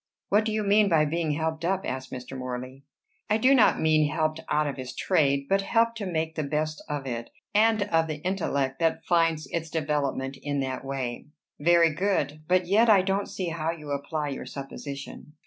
"What do you mean by being 'helped up'?" asked Mr. Morley. "I do not mean helped out of his trade, but helped to make the best of it, and of the intellect that finds its development in that way." "Very good. But yet I don't see how you apply your supposition."